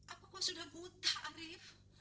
apa kau sudah buta arif